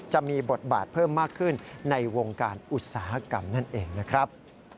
จะมีบทบาทเพิ่มมากขึ้นในวงการอุตสาหกรรมนั่นเองนะครับ